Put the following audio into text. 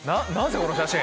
この写真。